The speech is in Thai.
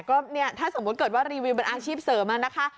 ก็เนี่ยถ้าสมมุติเกิดว่ารีวิวเป็นอาชีพเสริมนะคะ